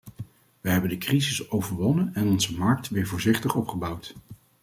Wij hebben de crisis overwonnen en onze markt weer voorzichtig opgebouwd.